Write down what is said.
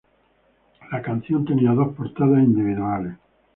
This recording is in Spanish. La canción tenía dos portadas individuales.